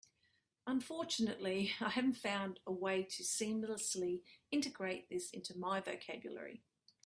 Unfortunately, I haven't found a way to seamlessly integrate this into my vocabulary.